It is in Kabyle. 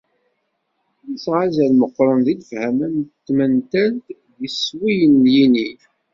Yesεa azal meqqren deg lefhama n tmental d yiswiyen n yinig.